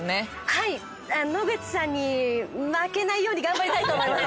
はい野口さんに負けないように頑張りたいと思います